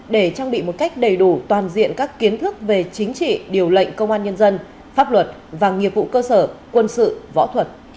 để trang bị một cách đầy đủ toàn diện các kiến thức về chính trị điều lệnh công an nhân dân pháp luật và nghiệp vụ cơ sở quân sự võ thuật